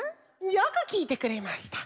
よくきいてくれました。